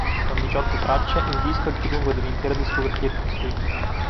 Con diciotto tracce, il disco è il più lungo dell’intera discografia di Swift.